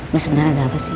lo sebenernya ada apa sih